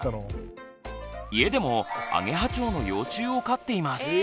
家でもアゲハチョウの幼虫を飼っています。